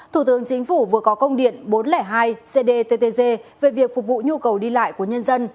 thủ tướng chính phủ vừa có công điện bốn trăm linh hai cdttg về việc phục vụ nhu cầu đi lại của nhân dân